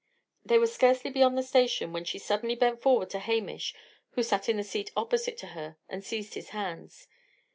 They were scarcely beyond the station when she suddenly bent forward to Hamish, who sat on the seat opposite to her, and seized his hands.